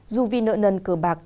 dù vì nợ nần cờ bạc